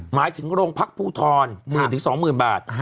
หมายถึงโรงพักภูทร๑๐๐๐๐ถึง๒๐๐๐๐บาท